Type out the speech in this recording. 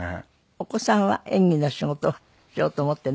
お子さんは演技の仕事をしようと思っていないらしい？